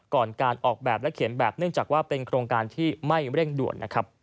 ก่อนการออกแบบและเขียนแบบเนื่องจากว่าเป็นโครงการที่ไม่เร่งด่วนนะครับ